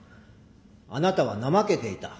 あなたは怠けていた。